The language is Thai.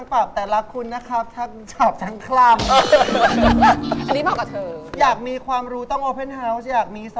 เพื่อนฉันก็มี